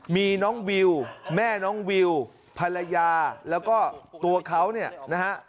มีน้องวิวแม่น้องวิวภรรยาแล้วก็ตัวเขาเนี่ยนะฮะ